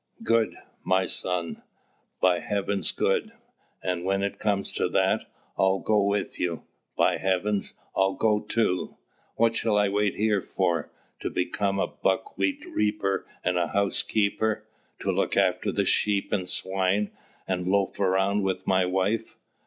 "Good, my son, by heavens, good! And when it comes to that, I'll go with you; by heavens, I'll go too! What should I wait here for? To become a buckwheat reaper and housekeeper, to look after the sheep and swine, and loaf around with my wife?